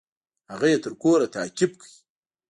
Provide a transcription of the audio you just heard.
هغه يې تر کوره تعقيب کړى.